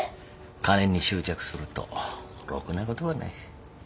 金に執着するとろくなことはない。